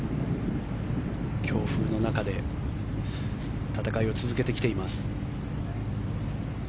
強風の中で戦いを続けてきています。